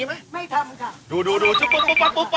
ไม่ทำค่ะ